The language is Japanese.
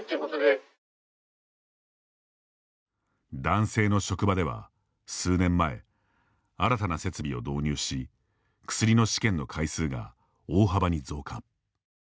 男性の職場では数年前新たな設備を導入し薬の試験の回数が大幅に増加。